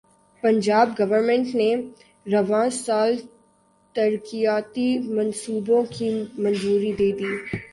پنجاب حکومت نے رواں سال ترقیاتی منصوبوں کی منظوری دیدی